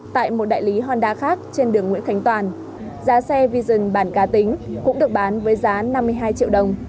tại một đại lý honda khác trên đường nguyễn khánh toàn giá xe vision bản ca tính cũng được bán với giá năm mươi hai triệu đồng